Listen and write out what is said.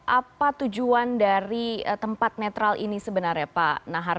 apa tujuan dari tempat netral ini sebenarnya pak nahar